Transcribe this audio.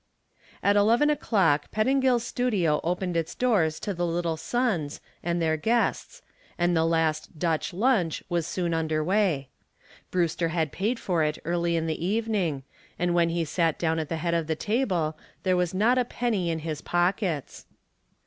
At eleven o'clock Pettingill's studio opened its doors to the "Little Sons" and their guests, and the last "Dutch lunch" was soon under way. Brewster had paid for it early in the evening and when he sat down at the head of the table there was not a penny in his pockets.